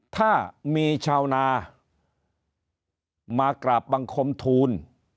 ถ้ามีชาวนามากราบบังคมทูล